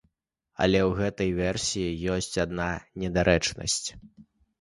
Але ў гэтай версіі ёсць адна недарэчнасць.